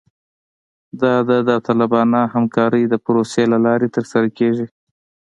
دا د داوطلبانه همکارۍ د پروسې له لارې ترسره کیږي